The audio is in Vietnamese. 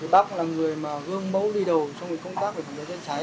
thì bác là người mà gương mẫu đi đầu trong cái công tác về phòng cháy cháy